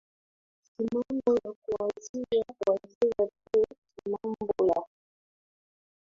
si mambo ya kuwazia wazia tu si mambo ya